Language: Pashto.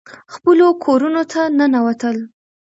خپلو کورونو ته ننوتل.